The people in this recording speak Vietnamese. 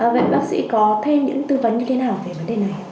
vậy bác sĩ có thêm những tư vấn như thế nào về vấn đề này